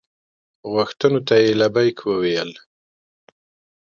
غوښتنو ته یې لبیک وویل.